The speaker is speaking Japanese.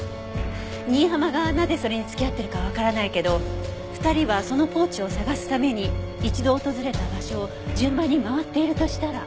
新浜がなぜそれに付き合ってるかわからないけど２人はそのポーチを捜すために一度訪れた場所を順番に回っているとしたら。